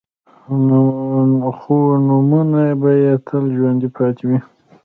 خو نومونه به يې تل ژوندي پاتې وي.